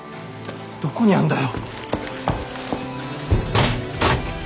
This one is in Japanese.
どこにあんだよ。